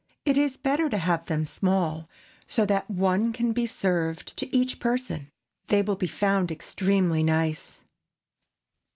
It is better to have them small, so that one can be served to each person. They will be found extremely nice.